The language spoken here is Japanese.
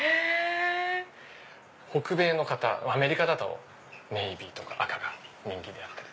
北米の方アメリカだとネービーとか赤が人気です。